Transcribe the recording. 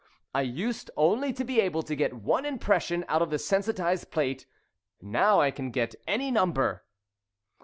I used only to be able to get one impression out of the sensitised plate, now I can get any number."